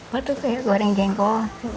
waktu saya goreng jengkol